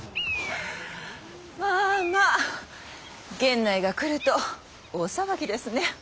まあまあ源内が来ると大騒ぎですね。